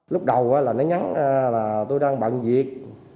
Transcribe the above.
lúc đầu là nó ngắn là tôi đang bận việc